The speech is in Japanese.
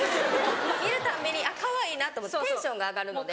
見るたんびにかわいいなと思ってテンションが上がるので。